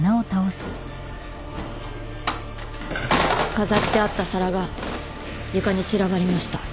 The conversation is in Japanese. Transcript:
飾ってあった皿が床に散らばりました。